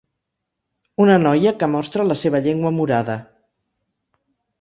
Una noia que mostra la seva llengua morada